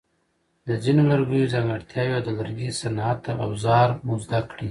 د ځینو لرګیو ځانګړتیاوې او د لرګي صنعت اوزار مو زده کړي.